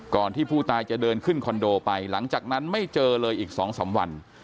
ที่ผู้ตายจะเดินขึ้นคอนโดไปหลังจากนั้นไม่เจอเลยอีก๒๓วัน